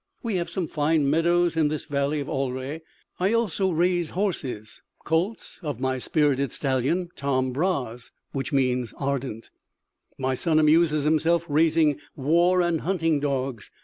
We have some fine meadows in this valley of Alrè.... I also raise horses, colts of my spirited stallion Tom Bras.[B] My son amuses himself raising war and hunting dogs.